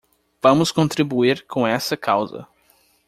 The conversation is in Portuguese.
Vamos contribuir com essa causa.